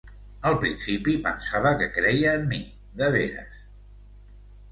Al principi pensava que creia en mi, de veres.